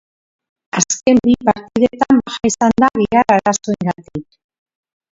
Azken bipartdetan baja izan da gihar arazoengatik.